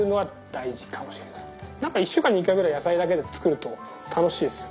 なんか１週間に１回ぐらい野菜だけで作ると楽しいですよ。